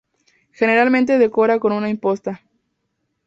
Generalmente decorado con una imposta.